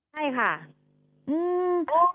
ใช่ค่ะอืม